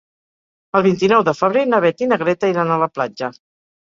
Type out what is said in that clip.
El vint-i-nou de febrer na Beth i na Greta iran a la platja.